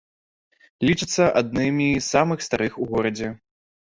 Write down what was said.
Лічацца аднымі з самых старых у горадзе.